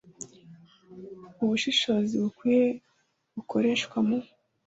Ubushishozi bukwiye bukoreshwa mu